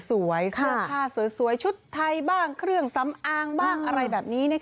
เสื้อผ้าสวยชุดไทยบ้างเครื่องสำอางบ้างอะไรแบบนี้